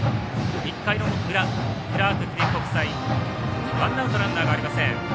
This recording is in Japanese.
１回の裏クラーク記念国際ワンアウト、ランナーありません。